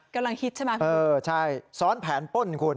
กำลังฮิตใช่ไหมคุณอ่าใช่ซ้อนแผนป้นคุณอ๋อ